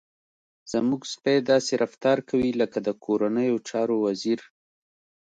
زموږ سپی داسې رفتار کوي لکه د کورنیو چارو وزير.